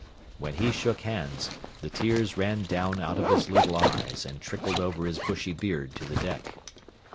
When he shook hands, the tears ran down out of his little eyes and trickled over his bushy beard to the deck.